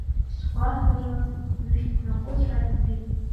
Сгәаҳәара ҩышьҭнакәыцәааит убри…